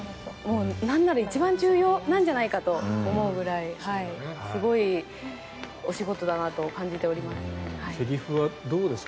なんなら一番重要なんじゃないかと思うくらい、すごいお仕事だなと感じております。